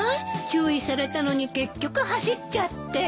注意されたのに結局走っちゃって。